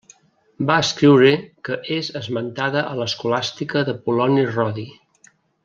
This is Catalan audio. Va escriure que és esmentada a l'escolàstica d'Apol·loni Rodi.